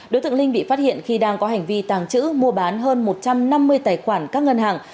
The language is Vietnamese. đối tượng linh bị phát hiện khi đang có hành vi tàng trữ mua bán hơn một trăm năm mươi tài khoản các ngân hàng